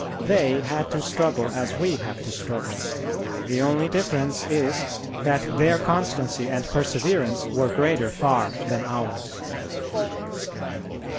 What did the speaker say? They had to struggle as we have to struggle. The only difference is that their constancy and perseverance were greater far than ours.